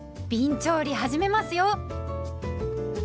びん調理始めますよ。